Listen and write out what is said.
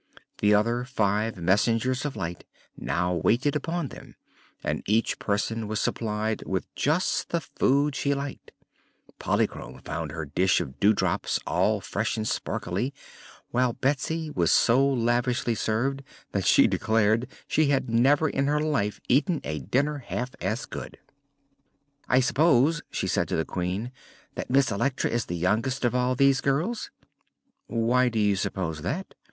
The other five messengers of light now waited upon them, and each person was supplied with just the food she liked best. Polychrome found her dish of dewdrops, all fresh and sparkling, while Betsy was so lavishly served that she decided she had never in her life eaten a dinner half so good. "I s'pose," she said to the Queen, "that Miss Electra is the youngest of all these girls." "Why do you suppose that?"